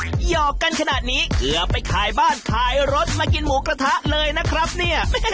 หยอกกันขนาดนี้เกือบไปขายบ้านขายรถมากินหมูกระทะเลยนะครับเนี่ย